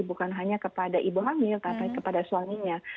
bukan hanya kepada ibu hamil tapi kepada suaminya